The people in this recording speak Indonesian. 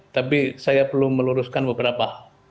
tapi saya perlu meluruskan beberapa